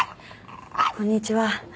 こんにちは。